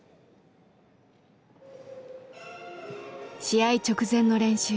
試合直前の練習。